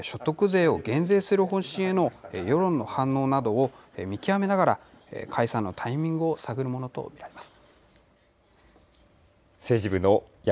岸田総理は、内閣支持率の推移や所得税を減税する方針の、世論の反応などを見極めながら、解散のタイミングを探るものと見られます。